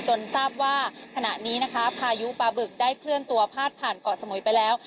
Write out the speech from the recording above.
ทราบว่าขณะนี้นะคะพายุปลาบึกได้เคลื่อนตัวพาดผ่านเกาะสมุยไปแล้ว